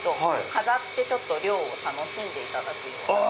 飾って涼を楽しんでいただくような。